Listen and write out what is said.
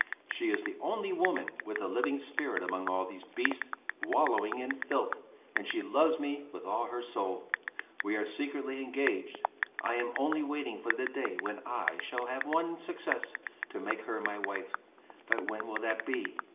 She is the only woman with a living spirit among all these beasts, wallowing in filth, and she loves me with all her soul. We are secretly engaged. I am only waiting for the day when I shall have won success, to make her my wife. But when will that be?